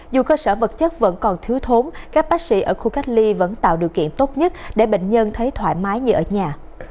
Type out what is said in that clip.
dù cơ sở vật chất vẫn còn thiếu thốn các bác sĩ ở khu cách ly vẫn tạo điều kiện tốt nhất để bệnh nhân thấy thoải mái như ở nhà